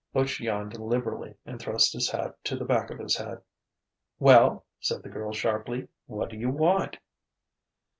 Butch yawned liberally and thrust his hat to the back of his head. "Well?" said the girl sharply. "What do you want?"